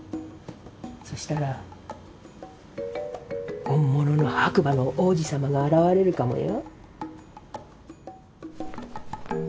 そしたら本物の白馬の王子様が現れるかもよ？